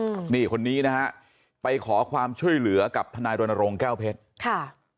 อืมนี่คนนี้นะฮะไปขอความช่วยเหลือกับทนายรณรงค์แก้วเพชรค่ะ